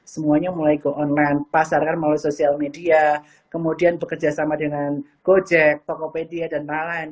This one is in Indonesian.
semuanya mulai ke online pasarkan melalui sosial media kemudian bekerja sama dengan gojek tokopedia dan lain lain